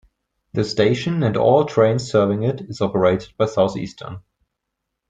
The station, and all trains serving it, is operated by Southeastern.